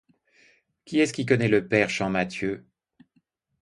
Qui est-ce qui connaît le père Champmathieu?